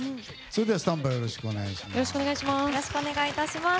それでは、スタンバイよろしくお願いします。